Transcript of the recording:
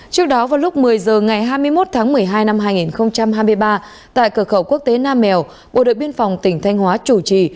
trước đó vào lúc một mươi h ngày hai mươi một tháng một mươi hai năm hai nghìn hai mươi ba tại cửa khẩu quốc tế nam mèo bộ đội biên phòng tỉnh thanh hóa chủ trì